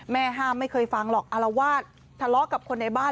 ห้ามไม่เคยฟังหรอกอารวาสทะเลาะกับคนในบ้าน